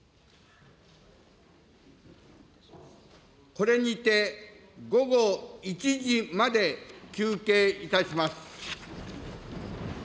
これにて、午後１時まで休憩いたします。